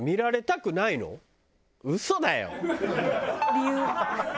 理由。